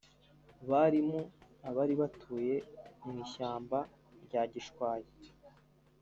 barimu abari batuye mu ishyamba rya Gishwayi